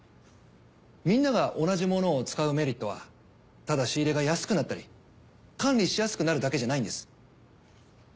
みんなが同じものを使うメリットはただ仕入れが安くなったり管理しやすくなるだけじゃないんです。